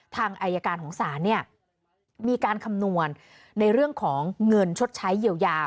ทางอายการของศาลเนี่ยมีการคำนวณในเรื่องของเงินชดใช้เยียวยา